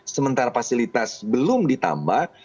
sementara fasilitas belum ditambah